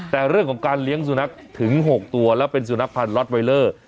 แต่เรื่องของการเลี้ยงสุนัขถึง๖ตัวแล้วเป็นสุนัขพันธ์ล็อตไวเลอร์